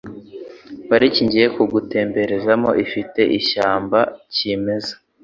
Pariki ngiye kugutemberezamo ifite ishyamba kimeza